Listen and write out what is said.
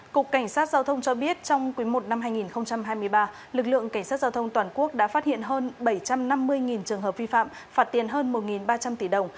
cục cảnh sát giao thông cho biết trong quý i năm hai nghìn hai mươi ba lực lượng cảnh sát giao thông toàn quốc đã phát hiện hơn bảy trăm năm mươi trường hợp vi phạm phạt tiền hơn một ba trăm linh tỷ đồng